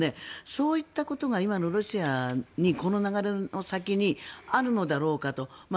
そういったことが今のロシアにこの流れの先にあるのだろうかと。